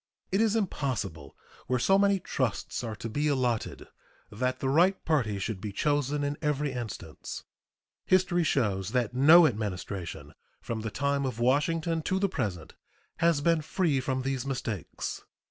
It is impossible, where so many trusts are to be allotted, that the right parties should be chosen in every instance. History shows that no Administration from the time of Washington to the present has been free from these mistakes.